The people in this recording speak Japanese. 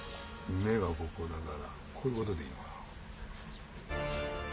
目がここだからこういうことでいいのかな？